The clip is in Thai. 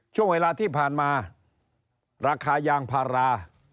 ช่วงเวลาที่ผ่านมาราคายางพารา